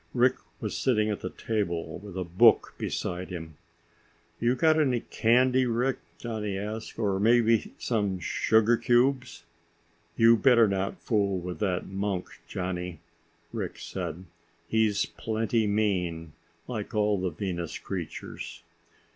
Rick was sitting at the table with a book beside him. "You got any candy, Rick?" Johnny asked. "Or maybe some sugar cubes?" "You better not fool with that monk, Johnny," Rick said. "He's plenty mean, like all the Venus creatures."